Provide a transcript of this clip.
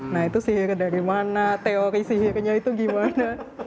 nah itu sihir dari mana teori sihirnya itu gimana